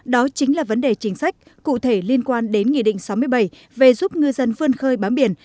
đó chính là vấn đề chính sách cụ thể liên quan đến nghị định sáu mươi bảy về giúp ngư dân vươn khơi bám biển